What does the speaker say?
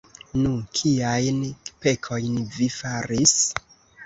Nu, kiajn pekojn vi faris?